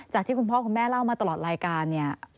ที่คุณพ่อคุณแม่เล่ามาตลอดรายการเนี่ย